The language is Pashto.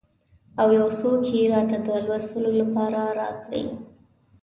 او یو څوک یې راته د لوستلو لپاره راکړي.